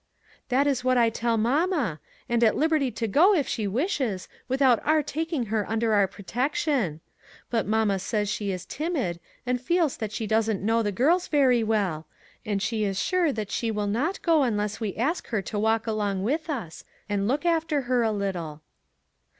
44 That is what I tell mamma ; and at lib erty to go if she wishes, without our tak ing her under our protection ; but mamma says she is timid, and feels that she doesn't know the girls very well, and she is sure she will not go unless we ask her to walk along with us, and look after her a little."